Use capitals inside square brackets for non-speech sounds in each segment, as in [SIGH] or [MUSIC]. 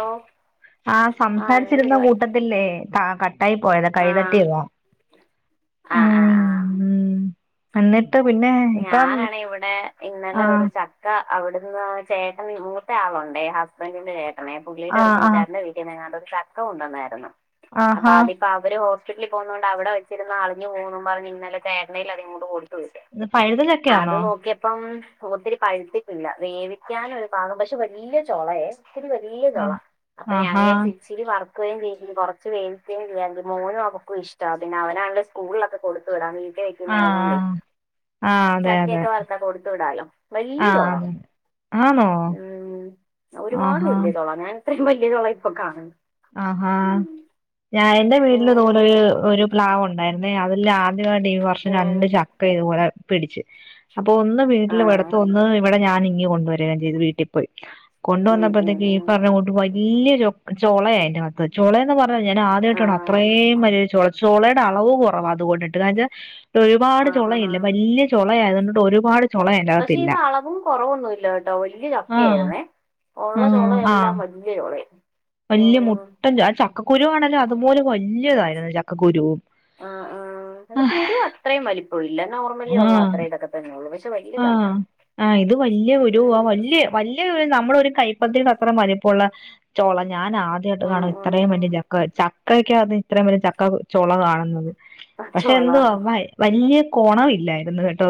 ഓ ആ സംസാരിച്ചിരുന്ന കൂട്ടത്തില്ലേ കട്ടായി പോയതാ കൈതട്ടിയതാ ആഹ് ആഹ് ആഹ് അന്നെ ട്ട പിന്നെ ഇപ്പം ഞാനാണെ ഇവിടെ ഇന്നലെ ഒരു ആഹ് ച ക്ക അവിടുന്ന് ചേട്ടൻ മുത്ത ആളുണ്ടേ ഹസ്ബൻഡിന്റെ ചേട്ടനെ പുള്ളീടെ ഒരു ആഹ് ആഹ് കുട്ടാരെന്റെ വീ ട്ടീ എങ്ങാട് ഒരു ചക്ക കൊണ്ടുവന്നാരുന്ന് അപ്പോ ആഹാ തി അപ്പ അവര് ഹോസ്പിറ്റലി പോന്നോണ്ട് അവിടെ വച്ചിരുന്ന അളിഞ്ഞ് പോകുന്നു പറഞ്ഞ് ഇന്നലെ ചേട്ടന്റെയ്യിൽ അത് ഇങ്ങോട്ട് കൊടുത്തുവിട്ട് ഇത് പഴുതക അത് നോക്കിയപ്പം ഒത്തിരി പഴുത്തിട്ടില്ല വേവിക്കാനൊരു പാകം പക്ഷെ വല്യ ചോളയെ ഒത്തിരി വല്യ ചോള ആഹ് അപ്പൊ ഞാൻ ആഹാ വിജാരിച്ച് ഇച്ചിരി വർക്കുകയും ചെയ്യ കൊറച്ച് വേവിക്കുകയും ചെയ്യാണ്ട് മോനും അവൾക്കും ഇഷ്ടമാണ് പിന്നെ അവനാണേല് സ്കൂളിലൊക്കെ കൊടുത് വിടാം വീട്ടിൽ വെക്കുന്ന ആഹ് ആയ്നോണ്ടേ. ആഹ് ആഹ് അതെ അതെ ചക്കയൊക്കെ വർത്താ കൊടുത്തു വിടാലോ ആഹ് വല്യചൊള. അതെ ആന്നോ ഉം ഒരുപാട് ആഹാ വല്യ ചൊള ഞാൻ ഇത്രയും വലിയ ചൊള ഇപ്പ കാണാണ് ആഹ് ഹാ ഞാൻ എന്റെ വീട്ടില് ഇത്‌പോലെര് ഒരു പ്ലാവു ണ്ടായിര്ന്നെ അവെരില് ആദ്യമായിട്ട് ഈ വർഷം ഉം, രണ്ട് ചക്ക ഇതുപോലെ പിടിച്ച്. അപ്പൊ ഒന്ന് ആ, വീട്ടില് വെട്ത്ത് ഒന്ന് ഇവിടെ ഞാൻ ഇങ്ങ് കൊണ്ടുവരികയും ചെയ്തു വീട്ടി പോയി. കൊണ്ട് ഉം, ഉം, വന്നപ്പോഴത്തേക്ക് ഈ ഉം, പറഞ്ഞ കൂട്ട് വല്യ ച്ചോളെ അയ്ന്റെകത്. ചൊളേന്ന് പറഞ്ഞാ ഞൻ ആ, ആദ്യമായിട്ടാണ് അത്രേം വലിയ ഒര് ചൊള ചോളയുടെ അളവ് കൊറവാ അതുകൊണ്ടിട്ട് ഒരുപാട് ആ, ആ, ആ. ചോളയില്ലേ വല്യ ചൊളയായതുകൊണ്ട് ട്ടൊരുപാട്. പക്ഷെ ഇത് അളവും കുറവൊന്നുവില്ല കേട്ടോ വല്യെ ആഹ് ചക്കയായിരുന്നേ ഉള്ള ചൊള എല്ലാം വെല്ല്യ ചൊളേണ്. വല്യെ മുട്ടൻ ആ ചക്കക്കുരുവാണേലും അതുപോലെ വല്യതായിരുന്നു ചക്കക്കുരുവും. ആഹ് ആഹ് അത് ആഹ് കുരു അത്രയും വലിപ്പൊ ഇല്ല നോർമലിയുള്ള അത്രേ ഒക്കെതന്നെ ഉള്ളൂ പക്ഷെ വല്യെ - ആഹ് ആഹ് ഇത് വല്യെ കുരുവാ ആഹ് ഉം, വല്ല്യേ. വല്യെ ഒര് നമ്മടെ ഒരു കൈപ്പതിയുടെ അത്രോം വലിപ്പുള്ള ചൊള ഞാൻ ആദ്യമായിട്ട് ഉം, കാണ് ക ഇത്ര ഇത്രയും ഉം. വലിയ ചക്ക ചക്കയ്ക്കകത്ത് ഇത്രയും വലിയ ചക്ക ചൊള കാണുന്നത്. ആ, പക്ഷെ ചോള എന്തുവാ വല്യ കോണവില്ലായിരുന്നു കെട്ടോ.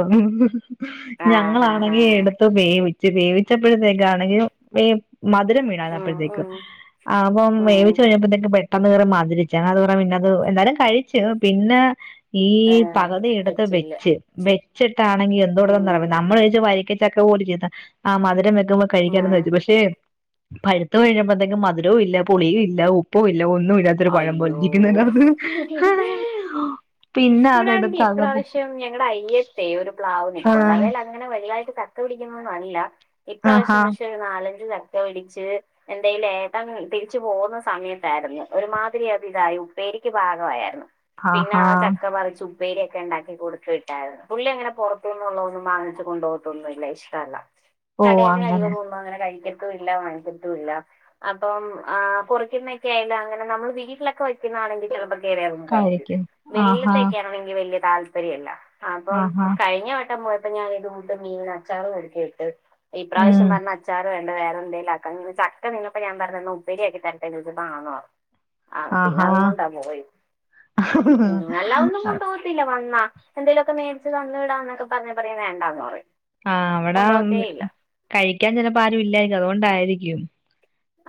ആ ഹാ ഹാ ഞങ്ങളാണെങ്കി എടുത്ത് വേവിച്ച് വേവിച്ചപ്പോഴത്തേക്കാണെങ്കി വേ മധുരം വീണാന്ന് ഉം, അപ്പഴത്തേക്ക്. ഉം, ആഹ് അപ്പം ഉം. വേവിച്ച് കഴിഞ്ഞപ്പോത്തേക്ക് പെട്ടെന്ന് കേയറി മതിരിച് അങ്ങന അത് പറ പിന്നെത് എന്തായാലും കഴിച് പിന്നെ. ഈ ആ, പകുതിയെടുത്ത് വെച്ചില്ല വെച്ച് വെച്ചിട്ടാണെങ്കി എന്തുടെവന്ന് ഉം, [UNINTELLIGIBLE] നമ്മള് വ്ച്ച് വരിക്കച ചക്ക പോലിരിക്കുംന്ന് ആഹ് മധുരംവെക്കുമ്പ ആ. കഴിക്കാമെന്ന് വെച്ചു പക്ഷേ. പഴുത്ത് കഴിഞ്ഞപ്പോഴത്തേക്കും മധുരഇല്ല പുളിയും ഇല്ല ഉപ്പും ഇല്ല ഒന്നു ഇല്ല. ഇതൊര് പഴം പോലെ അയ്യോ ഇരിക്കുന്ന്. [UNINTELLIGIBLE] ഇവിടാണെങ്കിൽ ഇപ്രാവശ്യം ഞങ്ങടെ അയ്യ ത്തെ ഒരു പ്ലാവ് ആ നിപ്പുണ്ട് അതേലങ്ങനെ വല്തായിട്ട് ചക്ക പിടിക്കുന്നൊന്നല്ല ഇപ്രാവശ്യം ആഹാ പക്ഷെ നാലഞ്ച് ചക്ക പിടിച്ച് എന്തായ്ല് ഏട്ടൻ തിരിച്ചു പോകുന്ന സമയത്തായിരുന്നു. ഒരുമാതിരി അത് ഇതായി ഉപ്പേരിക്ക് പാകആയാര്ന്നു പിന്നെ ആഹാ ആ ചക്ക പറിച്ചു പേരിയൊക്കെ ഉണ്ടാക്കി കൊടുത്ത് വിട്ടായിരുന്നു പുള്ളി അങ്ങനെ പൊറത്തുന്നുന്ന് ഒന്നും ഒന്നും വാങ്ങിച്ച് കൊണ്ടുപോകതൊന്നുല്ല ഇഷ്ടല്ല. ഓ കടേന്ന് അങ്ങനെ കഴിവതും ഒന്നും അങ്ങനെ കഴിക്കര് ക്ക്‌ല്ല വ [UNINTELLIGIBLE] ത്തുല്ല അപ്പം കുറിക്കുന്നെ ഒക്കെ [UNINTELLIGIBLE] നമ്മള് വീട്ടിലൊക്കെ വെക്കുന്നാണെങ്കി ചെലപ്പോ കേറി [UNINTELLIGIBLE] കായിക്കും കഴിക്കും ആഹാ വെളിയിലൊക്കെ വെക്കാണെങ്കി വെല്യേ തായ് ശെരിയല്ല അപ്പം ആഹാ കഴിഞ്ഞവട്ടം പോയപ്പോ ഞാൻ ഇത് കൂട്ട് മീനും അച്ചാറും ഒരുക്കിവിട്ട്. ഉം ഇപ്രാവശ്യം പറഞ്ഞ ആച്ചാർ വേണ്ട വേറെന്തങ്കിലാക്കന്ന് ചക്ക നിന്നപ്പോ ഞാൻപറഞ്ഞു ഉപ്പേരിയാകി തരട്ടേ ചോതിച്ചപ്പോ ആന്ന് പറഞ്ഞു. ആഹ് പിന്നെ ആഹാ അതും കൊണ്ടാ പോയത് അല്ലാതെ ഒന്നും കൊണ്ടോവി ല്ല വന്നാ എന്തേലുഒക്കെ മേടിച്ച് തന്നു വിടാന്നൊക്കെ പറഞ്ഞ പറയും വേണ്ടാന്ന് പറയും ആഹ് അവിടെ കൊണ്ടുപോകത്തേ ഇല്ല കഴിക്കാൻ ചെലപ്പോ ആരും ഇല്ലായിരിക്കും അതുകൊണ്ടായിരിക്കും.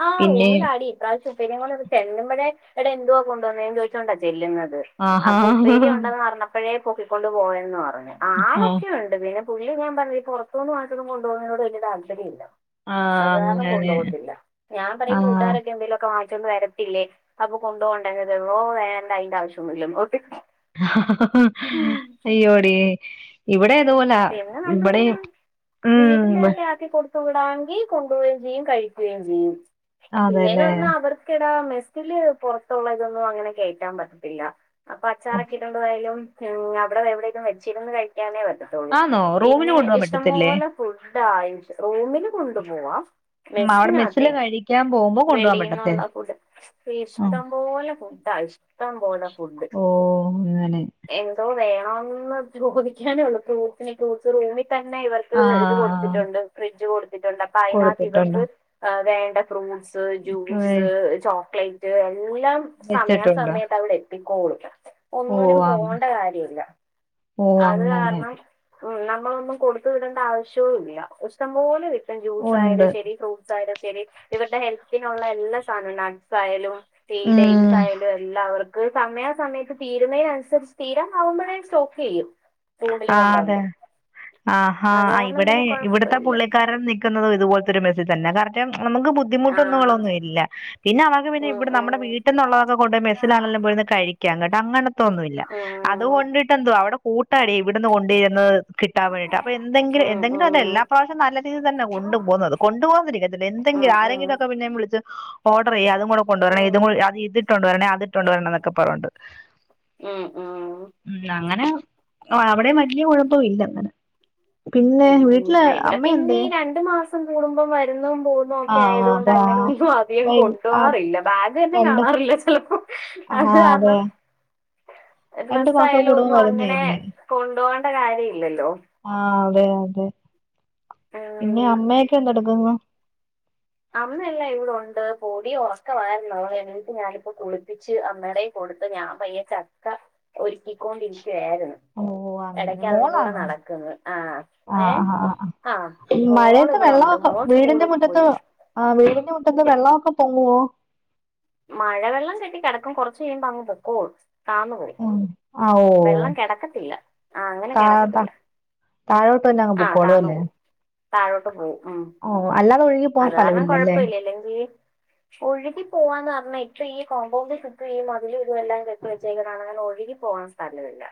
ആഹ് പിന്നെ റൂമിലാടി. ഇപ്രാവശ്യം ഉപ്പേരിം കൊണ്ടാണ്ട് ചെല്ലുമ്പയേ എടാ എന്തുവാ കൊണ്ടുവന്നേന്ന് ചോയിച്ചോണ്ടാ ചെല്ലുന്നത്. ആഹാ അപ്പൊ ഉപ്പേരി ഉണ്ടെന്ന് പറഞ്ഞപ്പോഴേ പൊക്കിക്കൊണ്ട് പോയന്ന് പറഞ്ഞു ആ ആളൊക്കെയു ണ്ട് പിന്നെ പുള്ളി ഞ്ഞാ പറഞ്ഞില്ലെ ഈ പൊറത്തൂന്ന് വാങ്ങിച്ചൊന്നും കൊണ്ട്പോകുന്നേനോട് വെല്യേ താല്പര്യം ഇല്ല ആ അത് കാരണം കൊണ്ടു അങ്ങനെ പോകത്തില്ല ഞാൻ ആ പറയും കൂട്ടാരൊക്കെ എന്തെലിലൊക്കെ വാങ്ങി ച്ചോണ്ട് വരത്തില്ലേ അപ്പൊ കൊണ്ടോവണ്ടേ [UNINTELLIGIBLE] ഓ വേണ്ട അയിന്റെ ആവശ്യം ഒന്നുല്ലന്ന് [UNINTELLIGIBLE] അയ്യോടീ ഇവിടെ അതുപോലാ പിന്നെ ഇവിടെയും ഉം ച്ചികൊടുത്തു വിടാവെങ്കി കൊണ്ടുപോവുകേം ചെയ്യും കഴിക്കുകേം ചെയ്യും. അതെല്ലേ പിന്നെന്നുപറഞ്ഞാ അവർക്കിടാ മെസ്സില് പുറത്തുള്ള ഇതൊന്നും അങ്ങനെ കേറ്റാൻപറ്റില്ല. അപ്പൊ അച്ചാറൊക്കെയിട്ടൊണ്ടുപോയാലും ഉം അവിടെ എവിടേലും വെച്ചിരുന്നുകഴിക്കാനേ പറ്റത്തൊള്ളൂ ആന്നോ റൂമിന് പിന്നെ കൊണ്ടുപോകാൻ പറ്റത്തില്ലേ ഇഷ്ടംപോലെ ഫുഡായും റൂമില് കൊണ്ടുപോകാം ഉം അവിടെ മെസ്സില് കഴിക്കാൻ പോകുമ്പോ കൊണ്ടുപോവാൻ വെളിയിന്നുള്ള പറ്റത്തില്ല ഫുഡ് ആഹ് ഇഷ്ടംപോലെ ഫുഡാ ഇഷ്ടംപോലെ ഫുഡ് ഓ അങ്ങനെ എന്തോ വേണോന്ന് ചോദിക്കാനേയുള്ളൂ ഫ്രൂട്ട്സിന് ഫ്രൂട്ട്സ് റൂമി തന്നെ ഇവർക്ക് ഇത് ആഹ് കൊടുത്തിട്ടുണ്ട് ഫ്രിഡ്ജ് കൊടുത്തിട്ടുണ്ട് അ അപ്പ അയിനാത്ത് കൊടുത്തിട്ടുണ്ടോ ഇവർക്ക് വേണ്ട ഫ്രൂട്ട്സ് ജ്യൂസ് ഏഹ് ചോക്ലേറ്റ് എല്ലാം സമയാ വെച്ചിട്ടുണ്ടോ സമയത്ത് അവിടെ എത്തിക്കോളും ഓ ഒന്നിനും അങ്ങ- പോവണ്ടകാര്യമില്ല ഓ അങ്ങനെ അതുകാരണം ഉം നമ്മളൊന്നും കൊടുത്തുവിടേണ്ട ആവശ്യവുമില്ല ഇഷ്ടം പോലെകിട്ടും ജ്യൂസ് ആയാലും ഉണ്ട് ശെരി ഫ്രൂട്ട് സായാലും ശെരി ഇവരുടെ ഹെൽത്തിനുള്ള എല്ലാസാധനവും നട്സായാലും ഈ ഡേറ്റ്സ് ഉം ആയാലും എല്ലാം അവർക്ക് സമയാ സമയത്ത് തീരുന്നതിനനുരി തീരാനാവുമ്പഴേ സ്റ്റോക്ക് ചെയ്യും റൂമില് ആ കൊണ്ടുവന്ന് അതെ ആഹാ അത് കാരണം ഇവിടെ പിന്നെ ഇവിടത്തെ കുഴപ്പമില്ല പുള്ളിക്കാരൻ നി നിക്കുന്നതും ഇതുപോലത്തൊരു മെസ്സി തന്നെ കാരണം നമുക്ക് ആ ബുദ്ധിമുട്ടുകളൊന്നും ഇല്ല പിന്നെ അവർക്ക് പിന്നെ ഉം ഇവിടെ നമ്മുടെ വീട്ടിന്നൊള്ളതൊക്കെ കൊണ്ടെ മെസ്സിലാണെല്ലും പോയിരുന്നുകഴിക്കാം കേട്ടോ അങ്ങനത്തൊന്നുവില്ല ഉം അതുകൊണ്ടിട്ടെന്തുവാ അവിടെ കൂട്ടയടി ഇവിടെന്ന് കൊണ്ടിരുന്നത് കിട്ടാൻ വേണ്ടിട്ട് അപ്പോ എന്തങ്കിലും ഉം ഉം ഉം എന്തെങ്കിലുവതെല്ലാ പ്രാവശ്യവും നല്ലരീതിയിൽതന്നാ കൊണ്ടു പോകുന്നത് കൊണ്ട് പോകുന്നിരിക്കെ ഉം ഉം എന്തെങ്കിലും ഉം ആരെങ്കിലൊക്കെ പിന്നേം വിളിച്ച് ഓഡർചെയ്യും അതും കൂടെ കൊണ്ടുവരണേ ഇതുംകു ഉം അത് ഇതിട്ടു കൊണ്ടുവരണേ അതിട്ടു കൊണ്ടുവരണന്നൊക്കെ പറഞ്ഞിട്ട് ഉം ഉം ഉം അങ്ങനെ അവിടെ വലൃ കൊഴപ്പവില്ലങ്ങനെ പിന്നെ വീട്ടില് അമ്മ എന്തിയെ ഒരുമാസം കൂടുമ്പോ വരുന്നതും പോകുന്നതും ഒക്കെ ആഹ് ആയതുകൊണ്ട് അതാ അങ്ങനെയൊന്നും അധികം ആഹ് കൊണ്ടുപോവാറില്ല ബാഗ്തന്നെ കാണാറില്ല ചിലപ്പോ ഹാ അതെ രണ്ടു മാസം ഡ്രസ്സായാലും കൂടുമ്പോ ഒന്നും അങ്ങനെ വരുന്നയല്ലേ കൊണ്ടുപോകേണ്ട കാര്യമില്ലല്ലോ ആ അതെയതെ പിന്നെ ഉം അമ്മയൊക്കെ എന്തെടുക്കുന്നു അമ്മയെല്ലാം ഇവിടൊണ്ട് പൊടി ഉറക്കവായിരുന്നു അവള് എണീറ്റു ഞാനിപ്പോ കുളിപ്പിച്ച് അമ്മേടെ കൊടുത്ത് ഞാൻ പയ്യെ ചക്ക ഒരുക്കിക്കൊണ്ടിരിക്കുവായിരുന്നു ഓ അങ്ങനെ മോളാണോ ആ ആ ഏ ആ ആ ആ മോൾ മഴയത്ത് ഇവിടെ ഉണ്ട് വെള്ളൊക്കെ മോൾ വീടിന്റെ സ്കൂളിൽ മുറ്റത്ത് പോയി ആ വീടിന്റെ മുറ്റത്ത് വെള്ളമൊക്കെ പൊങ്ങുവോ മഴവെള്ളം കെട്ടികിടക്കും കൊറച്ചുകഴിയുമ്പോ അങ്ങുപൊക്കോളും താന്നുപോയി ഉം ആഹ് ഓ വെള്ളം കെടക്കത്തില്ല ആ അങ്ങനെ കെടക്കത്തില്ല താഴോട്ടുതന്നെ അങ്ങ് പൊക്കോളുവല്ലേ താഴോട്ടുപോവും ഉം അല്ലാതെ ഒഴുകി പോകാൻ അതുകാരണം സ്ഥലമില്ലല്ലേ കൊഴപ്പവില്ല അല്ലെങ്കി ഒഴുകി പോവാൻ ന്ന് പറഞ്ഞ ഇപ്പൊ ഈ കോമ്പൗണ്ടിൽ ചുറ്റും ഈ മതിലും ഇതുവെല്ലാം കെട്ടിവെച്ചെക്കുന്നകാരണം അങ്ങനെ ഒഴുകി പോവാൻ സ്ഥലവില്ല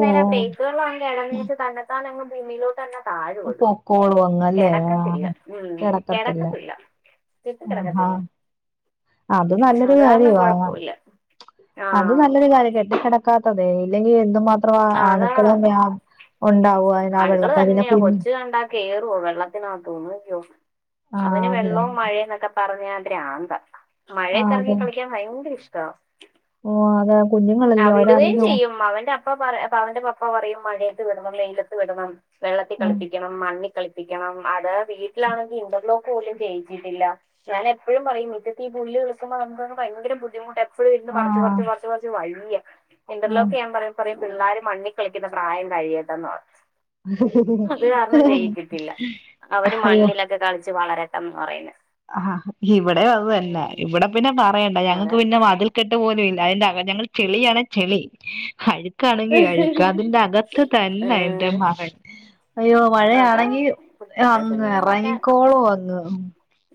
ഓ ആ പെയ്ത്തുവെള്ളം ആണെങ്കി അതങ്ങോട്ട് തന്നതാനങ്ങ് ഭൂമിയിലോട്ടുതന്നെ താഴുവത് പൊക്കോളും അങ്ങ് അല്ലേ കെടക്കത്തില്ല ആഹ് ഉം കിടക്കത്തില്ല കെടക്കത്തില്ല ആഹാ കിടക്കത്തില്ല അത് നല്ലൊരു അത് കാരണം കാര്യവാ കുഴപ്പമില്ല ആ അത് നല്ലൊരു കാര്യ കെട്ടിക്കട ക്കാത്തത് ഇല്ലെങ്കിൽ എന്തു മാത്രം അണുക്കളും ഉണ്ടാവു അണുക്കൾ തന്നെയ കൊച്ചു കണ്ടാ കേറോ വെള്ളത്തിനകത്ത്ന്നോ ആ അവന് അതെ വെള്ളവും മഴ എന്നൊക്കെ പറഞ്ഞ പ്രാന്താ ആ മഴയത്തിറങ്ങി അതെ കളിക്കാൻ ഭയങ്കര ഇഷ്ടമാ ഓ അതെ കുഞ്ഞുങ്ങളല്ലേ ആഹ് വിടുകയും അവരാണെങ്കി ഓ ചെയ്യും അവന്റെ പപ്പ പറ അവന്റെ പപ്പ പറയും മഴയത്ത് വിടണം വെയിലത്ത് വിടണം വെള്ളത്തിൽ കളിപ്പിക്കണം മണ്ണി കളിപ്പിക്കണം അത് വീട്ടിലാണെങ്കിൽ ഇന്റർലോക്ക് പോലും ചെയ്യിച്ചിട്ടില്ല ഞാന് എപ്പോഴും പറയും മുറ്റത്തെ ഈ പുല്ല് കിളിർക്കുമ്പോ നമുക്ക് അങ്ങ് ഭയങ്കര ബുദ്ധിമുട്ട ഫുൾ ഇരുന്ന് ആ പറച്ച്ച്ച് പറച്ച് പറച്ച് വയ്യ ആ ഇന്റർലോക്ക് ഞാൻ പറയാ പിള്ളേർ മണ്ണിക്കളിക്കുന്ന പ്രായം കഴിയട്ടെന്ന് പറയും അ അത് കാരണം ചെയ്യിചിട്ടില്ല അവര് അയ്യോ മണ്ണിലൊക്കെ കളിച്ച് വളരട്ടെ എന്ന് പറയുന്നത് ആഹ് ഇവിടെയും അത് തന്നെ ഇവിടെ പിന്നെ പറയണ്ട ഞങ്ങൾക്ക് അതെ പിന്നെ മതിൽക്കെട്ട് പോലും ഇല്ല അതിന്റെ അക ഞങ്ങൾ ചെളിയാണ് ചെളി ണങ്കി കഴിക്കും അതിന്റെ അകത്ത് തന്നെ എൻറെ ഏഹ് മകൻ അയ്യോ അതാ മഴയാണെങ്കി ഇപ്പത്തെ അങ്ങ് കുഞ്ഞുങ്ങളൊക്കെ ഇറങ്ങിക്കോളോ അങ്ങ്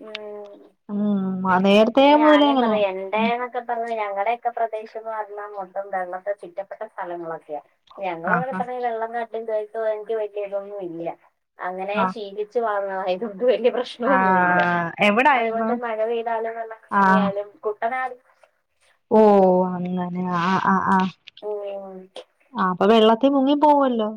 ഉം ഉം [UNINTELLIGIBLE] പിനെ ഞാനെ അങ്ങനാ പറയനൻ ഇടെന്നൊക്കെ പറഞ്ഞു ഞങ്ങളുടെയൊക്കെ പ്രദേശന്ന് പറഞ്ഞാൽ മൊത്തം വെള്ളത്തെ തിറ്റപ്പെട്ട സ്ഥലങ്ങളൊക്കെയ ഞങ്ങള അങ്ങനെനെ ആഹാ പറഞ്ഞ വള്ളനാട്ടിലും ചോയിച്ച വാങ്ങി പറ്റിയതൊന്നും ഇല്ല അങ്ങനെ ആ ശീലിച്ചു വാങ്ങ് അതിനൊന്നും വലിയ ആ പ്രശ്നമൊന്നു ഇല്ല എവിടായിരുന്നു അതുകൊണ്ട് മഴ പെയ ആ വെള്ളകേറിയാലും കുട്ടനാട് ഓ അങ്ങനെ ആ ആ് ആഹ ഓ ആ് അപ്പൊ വെള്ളത്തിൽ മുങ്ങി പോവല്ലോ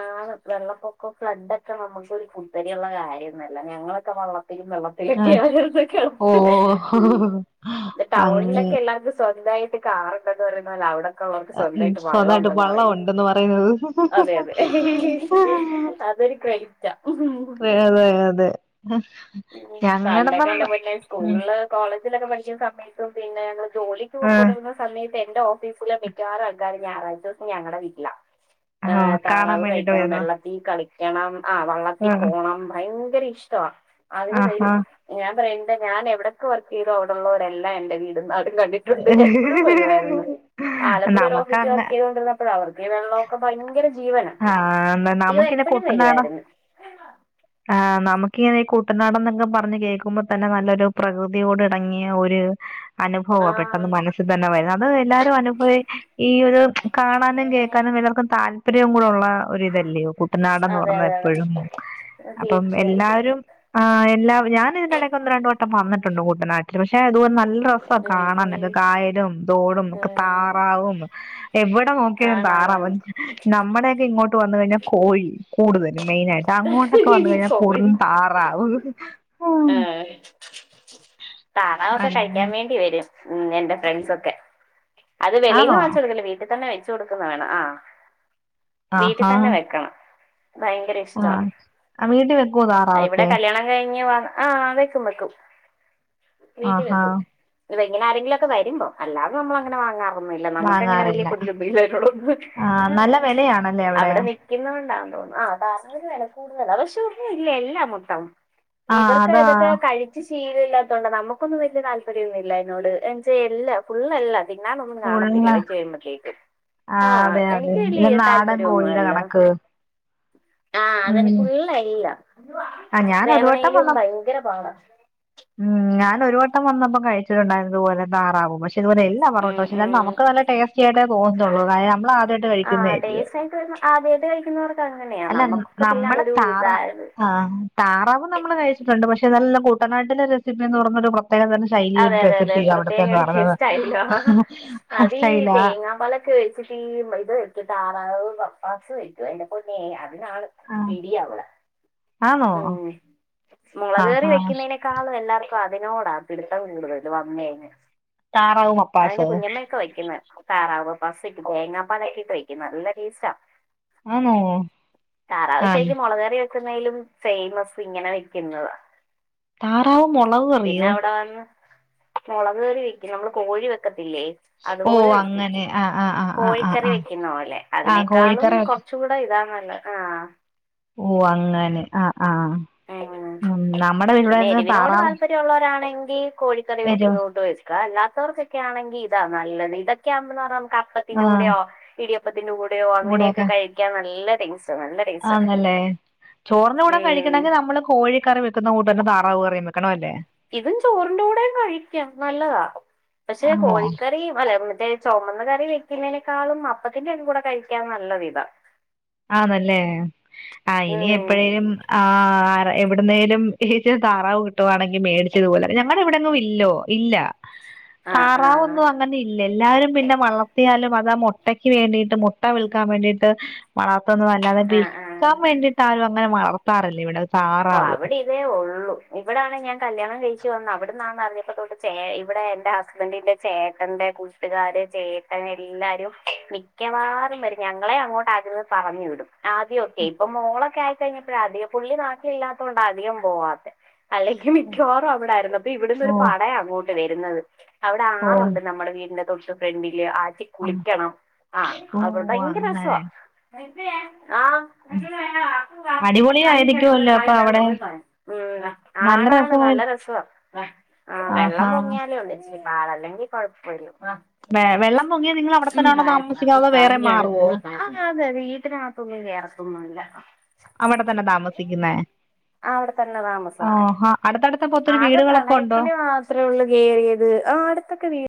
ആ വെള്ളപ്പൊക്കം ഫ്ലഡ ഒക്കെ നമുക്കൊരു കുത്തരിയള്ള കാര്യംന്നല്ല ഞങ്ങളൊക്കെ വള്ളത്തിലും വെള്ള ആ ഓ [UNINTELLIGIBLE] അങ്ങനെ ടൗണിലൊക്കെ എല്ലാർക്കും സ്വന്തായിയിട്ട കാറണ്ടന്ന് പറയൽ അവിടെൊക്കെ ഉള്ളവർക്ക് സ്വന്തമായിട്ട് വള്ളം സ്വന്തായിട്ട് ഉണ്ടന്ന് വള്ളം പറയുന്നു ഉണ്ടെന്ന് പറയുന്നത് അതെ അതെ അതൊരു കറെറ്റ അതെ അതെ പണ്ടൊക്കെ ഞങ്ങടെന്നന്ന എന്റെ പൊന്നെ സ്കൂളില് കോളേജിലൊക്കെ പഠിക്കുന്ന സമയത്തും പിന്നെ ഞങ്ങൾ ജോലിക്ക് ആ പൊകൊണ്ട്ന്ന സമയത്ത് എന്റെ ഓഫീസില് മികവാറ ആൾക്കാറും ഞാറാഴ്ട്ട് ഞങ്ങളുടെ വീട്ടില്ല ആ ഹ് കാണാൻ താറാവ് വേണ്ടിട്ട് കഴിക്കണം. വരുന്നു വെള്ളം ഈ കളിക്കണം ആഹ ആ വള്ളത്തിൽ പോകണം ഭയങ്കര ഇഷ്ട്ട അതിന് കൈ ആഹാ ഞാൻ പറയണ്ട് ഞാൻ എവിടയക്കെ വർക്ക് ചെയ്തോ അവിടെള്ളവരല്ല എന്റെ വീടന്ന കണ്ടിട്ടുണ്ട് എപ്പോഴും വരുവായിരുന്നു ആലപ്പുഴ ഒരു നമുക്ക് ഓഫീസ് അങ്ങ വർക്ക് ചെയ്തണ്ട അപ അവർക്ക് വെള്ളമൊക്കെ ഭയങ്കര ഇഷ് ആഹാ നമുക്കിനി കുട്ടനാടും വരുവായിരുന്നു ആ് നമുക്കിങ്ങനെ ഈ കുട്ടനാട് എന്നൊക്കെ പറഞ്ഞഞ് കേൾക്കുമ്പോ തന്നെ നല്ലൊരു പ്രകൃതിയോട് ഇടങ്ങിയ ഒരു അനുഭവോ പെട്ടെന്ന് ആഹ് മനസ്സിൽ തന്നെ വരുന്നു അത് എല്ലാരും അനുഭവ ഈ ഒരു കാണാനും കേ ഞാനും ഇതർക്കും താല്പര്യവും കൂടെ ഉള്ള ഒരു ഇതല്ലയോ കുട്ടനാട്ന്ന് അതെ പറഞ്ഞ അതെ അതെ എപ്പോഴും അപ്പം തീർച്ചയായിട്ടും എല്ലാരും ആ എല്ലാ ഞാനൻതിന്റെനിടയ്ക്ക് ഒന്ന് രണ്ട വട്ടം വന്നിട്ടുണ്ട് കൂട്ടനാട്ടിൽ പക്ഷെ അത്പോലെ നല്ല രസം ഉം ഉം കാണൻക്കെ കായലും തോടും ഒക്കെ ഉം താറാവും എവിടെ നോക്കിയാലും താറാവ ആണാണാണ് നമ്മുടെയൊക്കെ ഇങ്ങോട്ട് വന്ന് കഴിഞ്ഞാൽ കോഴി കൂടുതലും മെയിനായിട്ട് അങ്ങോട്ടൊക്കെ വന്ന കഴിഞ്ഞാൽ കോഴി കൂടുതലും താറാവും [INAUDIBLE] താണാവൊക്കെ അങ്ങനെ കഴിക്കാൻ വേണ്ടി വരു ഉം എന്റെ ഫ്രണ്ട്സൊക്കെ അത് വെലയിൽന്ന് ആണോ വച്ച കൊടുക്കല വീട്ടിൽ തന്നെ വെച്ചു കൊടുക്കുന്ന വേണം ആ വീട്ടിൽ തന്നെ വെക്കണം ഭയങ്കര ആ ഇഷ്ടമാണ് ആ വീട്ടിൽ വെക്കുവ താറാതൊക്കെ കഴിഞ്ഞ ആ വെക്കും മ്പക്കും ആഹാ വീട്ടിലെക്കും ഇപ്പെങ്ങനെ ആരെങ്കിലുംക്കെ വരുമ്പോ അല്ലാത നമ്മ അങ്ങനെ വങ്ങാ നമക്കങ്ങനെ വല വാങ്ങാറില്ല കൊതിയില്ല ഇതിനോടൊന്നും ആ നല്ല വിലയാണല്ലേ അവിടെ തിന്നണ്ടാെന്ന് തോന്നുന്നു ആ താര വില കൂടുതൽ പക്ഷ ഇല്ല എല്ല മൊത്തം ആ ഇവർക്ക് അതാ ഏതൊക്കെ കഴി ശീലമല്ലാത്തോണ്ടണ്ട് നമുക്കൊന്നും വലിയ താല്പര്യൊന്നുല്ല അതിനോട് എല്ല ഫുള്ളല്ല തിന്നാനൊന്നും ഉള്ള കാണത്തില്ല വെച്ചഴിമ്പത്തേക്ക്. ആ ആഹ് അതെ അതെ എനിക്ക് വല്ലി ഇത് നാടൻ താല്പര്യ ഒന്നു കോഴിയുടെ അല്ല. കണക്ക് ആഹ് ഉം അതന്നെ ഫുള്ളല്ല ആ ഞാൻ ഒരു വട്ടം വേവണേയിലും വന്ന ഭയങ്കര പാട ഉം ഞാനൊരു വട്ടം വന്നപ്പോ കഴിച്ചിട്ടുണ്ടായിരുന്നു ഓലെ താറാവ് പക്ഷെ ഇതുപോല എൽ ഞ ഉം പൊറോട്ടശു ന്നാലു ഉം നമുക്ക് നല്ല ടേസ്റ്റിയായിട്ടേ തോന്നത്തുള്ളൂ കാരണം നമ്മള ആദ്യായിട്ട് കഴിക്കുന്നതല്ല്യോ ആദ്യായിട്ട് കഴിക്കുന്നവർക്ക് അങ്ങനെയാ നമുക്കൊക്കെ പിന്നെ അതൊരു ഇതായത്. ആഹ് താറാവ് നമ്മള് കഴിച്ചിട്ടുണ്ട് പക്ഷെ നല്ല കൂട്ടനാട്ടിലെ റെസിപ്പി എന്ന് പറഞ്ഞൊരു പ് തെ ശൈലി ഒരു അതെ അതെ അതെ പ്രത്യേക അവിടുത്തെന്ന് പറഞ്ഞത് ടേസ്റ്റായില്ലോ സ്റ്റൈല തീ മെത് വയ്ക്കും താറാവു പപ്പാസ് വയ്ക്കും അ ഇന്റെ പൊന്നെ അതിനാണ് ആ ഇടി ആവുടെ ആണോ ഉം ആ മൊളക് ക്കറി ആ വെക്കുന്നയ്നെ ക്കാളും എല്ലാവക്കും അതിനോടാ പിടുത്തം കൂടുതൽ വന്നഴിഞ്ഞ് താറാവ് ഇന്റെ മപ്പാസ് കുഞ്ഞമ്മ വെക്കുന്ന താറാവ് പസി തേങ്ങാപ്പാലൊക്കിട്ട് വെയ്ക്കുന്ന നല്ല ടേസ്റ്റ. ആണോ താറാവ് ആ ശ്രരിക്കും മൊളക് ക്കറി ക്കുന്നതിലും ഫേയ്മസ് ഇങ്ങനെ വെക്കുന്നത. താറാവു മൊളക് കറിയോ? ആന്ന് മൊളക് കറി വെക്കും നമ്മള് കോഴി വെക്കത്തില്ലേ? ഓ അതുപോലെ വെക്കും അങ്ങനെ ആ ആ ആ ആ ആ കോഴിക്കറി ആ വെക്കുന്ന പോലെ ആ അതിനേക്കാളും കോഴിക്കറി കൊ വെക്കും ചൂടയിതാ നല്ലെ ആഹ് ഓഹ് അങ്ങനെ ആഹ് ആഹ്. ആഹ് പിന്നെ എരിവിനോട് താറാവ് താല്പര്യള്ളരാണെങ്കി കോഴിക്കറി എരു വെക്കുന്നൂട്ട് വെ ക്ക അല്ലാത്തവർക്കൊക്കാണെങ്കി ഇതാ നല്ലത് ഇതൊക്കെ ആവുമ്പോന്നറഞ്ഞ നമുക്ക് ആ അപ്പത്തിന്റെ കൂടെയോ ഇടിയപ്പത്തിന്റെ കൂടെയോ അങ്ങനെയൊക്കെ കൂടെയൊക്കെ കഴിക്കാൻ നല്ല ടൈസ്റ്റ. നല്ല ടേസ്റ്റാ ആന്നല്ലേ ചോറിന്റെ കൂടെ ഉം കഴിക്കണെങ്കിൽ നമ്മള് കോഴിക്കറി വെക്കുന്ന കൂട്ടന്നെ താറാവ് കറിയ വെ ഇതും ചോറിന്റെ കൂടെ കഴിക്കാം നല്ലതാ പക്ഷെ ആണോ കോഴിക്കറി അല്ല മറ്റേ ചൊമന്ന കറി വെക്കുന്നതിനേക്കാളും അപ്പത്തിന്റെ അയും കൂടെ കഴിക്കാൻ നല്ലരിത ആന്നല്ലേ ആഹ് ഇനി ഉം എപ്പഴേലും ആഹ് ആറ എവിടന്നേലും ഈ താറാവ് കിട്ടുകവാണെങ്കിൽ മേടിച്ചിത്പോലെ ഞങ്ങള ഇവിടെങ്ങും ഇല്ലോ ഇല്ല. ആ ആ തറാവൊന്നു അങ്ങനെ ഇല്ലല്ലാ പിന്നെ വളർത്തിയാലും അതാ മൊ ട്ടക്ക് വേണ്ടീട്ട് മൊട്ട വിൽക്കാൻ വേണ്ടീട്ട് വളർത്തുന്നതാ അല്ലാതെ വി ആ ആ ക്കാൻ വേണ്ടിയിട്ടാരും അങ്ങനെ വളർത്താറില്ല ഇവിടെ. ഓഹ് താറാവ് അവിടിം ചേ ഒള്ളൂ ഇവിടാണ് ഞാൻ കല്യാണം കഴിച്ചു വന്ന അവിടന്നാണറിഞ്ഞപ്പോ തൊട്ട് ചേ ഇവിടെ എന്റെ ഹസ്ബൻ്റിന്റെ ചേട്ടന്റെ കൂട്ടുകാര് ചേട്ടൻ എല്ലാരും മിക്കവാറും വരും ഞങ്ങളെ അങ്ങോട്ട് ആഗ്ര പറഞ്ഞു വിടും ആദ്യൊക്കെ ഇപ്പ മോളൊക്കെ ആയിക്കഴിഞ്ഞപ്പോഴ ആദി പുള്ളി ത്തില്ലാത്തോണ്ട അധികം പോവാത്തെ. അല്ലെങ്കിൽ മിക്കവാറും അവിടായിരുന്നു ഇപ്പി ഓ ഇവിടന്നൊരു പടയങ്ങോട്ട് വെര്ന്നത് അവിടെ ഓ ആറുണ്ട് നമ്മുടെ വീടിന്റെ തൊട്ട് ഫ്രണ്ടില് ആറ്റി ആ കുളിക്കണം ആഹ് ഓ അവിടയ്ങ്കര രസവാ അങ്ങനെ ആഹ്. ഉം. അടിപൊളി ആയിരിക്കുമല്ലോ അപ്പൊ അവിടെ ഉം നല്ല ആണാണ് രസമായി നല്ല രസവാ ആഹ് വെള്ളം ആഹാ പൊങ്ങിയാലേഒള്ളു ഇച്ചിരി പാട് അല്ലെങ്കി കൊഴപ്പല്ല ആഹ് വേ വെള്ളം പൊങ്ങിയാ നിങ്ങൾ അവിടെത്തന്നാണോ താമസിക്കുന്നതതോ വേറെ മാറുവോ അതേ അതെ വീട്ടിനക ത്തൊന്നും കേറത്തൊന്നുഇല്ല. അവിടെ തന്നെ താമസിക്കുന്നേ ആഹ് അവിടെതന്നെ താമസൊക്കെ ആഹാ അടുത്തടുത്തപ്പോ ഒത്തിരി ആകെ വീടുകളൊക്കെ ഉണ്ടോ പ്രളയത്തിന് മാ ത്രേള്ളു കേറിയത്. ആഹ് അടുത്തൊക്കെ വീ